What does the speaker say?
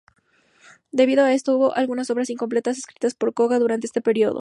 Debido a esto, hubo algunas obras incompletas escritas por Kōga durante este período.